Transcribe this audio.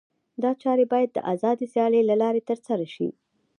دا چارې باید د آزادې سیالۍ له لارې ترسره شي.